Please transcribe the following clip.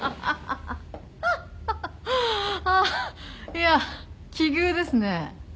いや奇遇ですね。